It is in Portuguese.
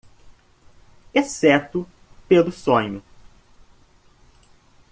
exceto pelo sonho.